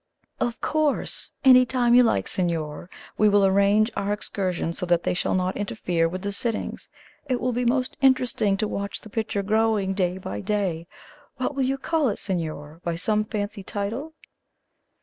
"Of course! Any time you like, signor. We will arrange our excursions so that they shall not interfere with the sittings. It will be most interesting to watch the picture growing day by day. What will you call it, signor? By some fancy title?"